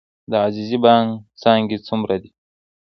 د عزیزي بانک څانګې څومره دي؟